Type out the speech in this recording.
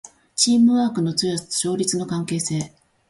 チームワークの強さと勝率の関係性